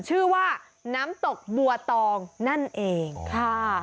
ชื่อว่าน้ำตกบัวตองนั่นเองค่ะ